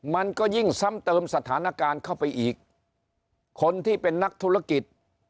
มันก็ยิ่งซ้ำเติมสถานการณ์เข้าไปอีกคนที่เป็นนักธุรกิจ